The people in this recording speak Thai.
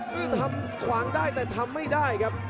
ซึ่งทำขวางได้แต่ทำไม่ได้ครับ